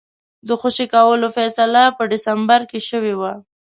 د خوشي کولو فیصله په ډسمبر کې شوې وه.